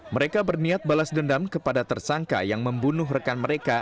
mereka berniat balas dendam kepada tersangka yang membunuh rekan mereka